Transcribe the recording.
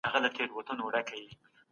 نړيوالي اړيکي د ډيپلوماټانو لخوا ساتل کيږي.